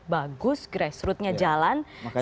bagus grassrootsnya jalan